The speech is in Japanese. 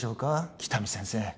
喜多見先生